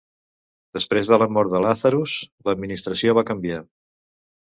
Després de la mort de Lazarus, l'administració va canviar.